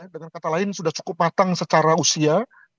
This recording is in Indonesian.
dengan kata lain sudah cukup matang secara usia